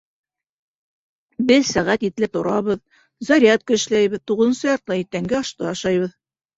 Беҙ сәғәт етелә торабыҙ, зарядка эшләйбеҙ, туғыҙынсы яртыла иртәнге ашты ашайбыҙ.